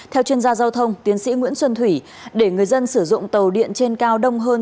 theo chuyên gia giao thông tiến sĩ nguyễn xuân thủy để người dân sử dụng tàu điện trên cao đông hơn